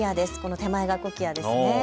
手前がコキアですね。